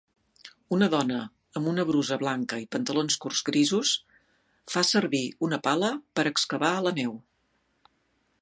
Una dona amb una brusa blanca i pantalons curts grisos fa servir una pala per excavar a la neu.